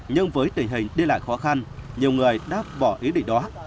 nhưng với tình hình đi lại khó khăn nhiều người đã bỏ ý định đó